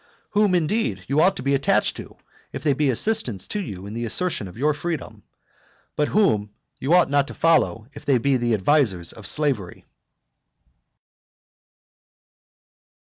Whom, indeed, you ought to be attached to, if they be assistants to you in the assertion of your freedom, but whom you ought not to follow if they be the advisers of slavery.